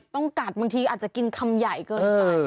ต้องกัดบางทีอาจจะกินคำใหญ่เกินไป